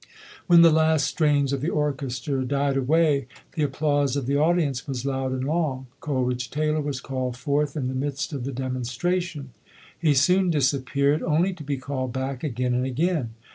When the last strains of the orchestra died away, the applause of the audience was loud and long. Coleridge Taylor was called forth in the midst of the demonstration. He soon disappeared, only to be called back again and again.